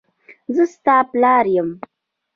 زه ستا پلار یم.